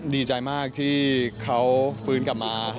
ดีใจมากที่เขาฟื้นกลับมา